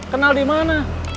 kenal di mana